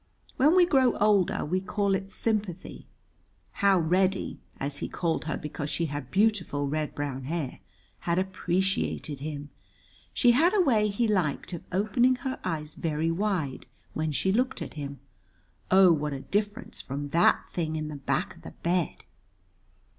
When we grow older we call it sympathy. How Reddy (as he called her because she had beautiful red brown hair) had appreciated him! She had a way he liked of opening her eyes very wide when she looked at him. Oh, what a difference from that thing in the back of the bed!